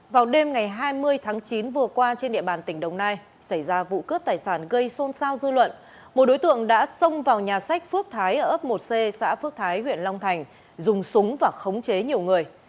vào đêm ngày hai mươi tháng chín vừa qua trên địa bàn tỉnh đồng nai xảy ra vụ cướp tài sản gây xôn xao dư luận một đối tượng đã xông vào nhà sách phước thái ở ấp một c xã phước thái huyện long thành dùng súng và khống chế nhiều người